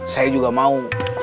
saya juga mau